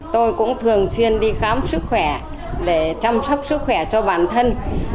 tôi cũng thường chuyên đi khám sức khỏe để chăm sóc sức khỏe cho bản thân